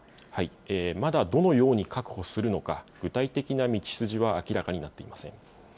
まだどのように確保するのか、具体的な道筋は明らかになっていません。